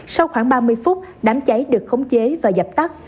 sau khoảng ba mươi phút đám cháy được khống chế và dập tắt